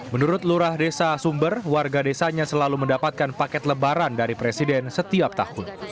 menurut lurah desa sumber warga desanya selalu mendapatkan paket lebaran dari presiden setiap tahun